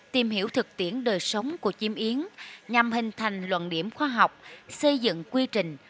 tìm hiểu thực tiễn đời sống của chiêm yến nhằm hình thành luận điểm khoa học xây dựng quy trình